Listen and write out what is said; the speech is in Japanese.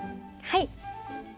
はい。